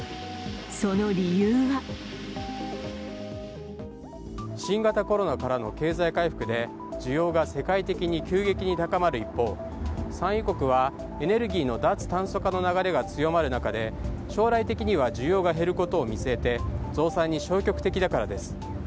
その理由は新型コロナからの経済回復で需要が世界的に急激に高まる一方産油国はエネルギーの脱炭素化の流れが強まる中で将来的には需要が減ることを見据えて増産に消極的だからです。